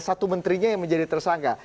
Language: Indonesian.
satu menterinya yang menjadi tersangka